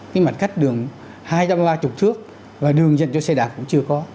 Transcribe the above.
cái mặt cách đường hai trăm ba mươi thước và đường dành cho xe đạp cũng chưa có